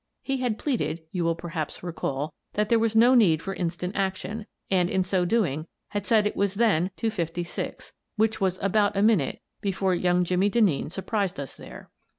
He had pleaded, you will perhaps recall, that there was no need for instant action and, in so doing, had said it was then two fifty six, which was about a minute before young Jimmie Denneen surprised us there.